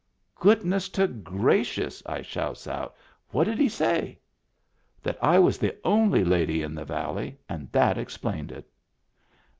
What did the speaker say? " Goodness to gracious !" I shouts out, " what did he say ?"" That I was the only lady in the valley, and that explained it."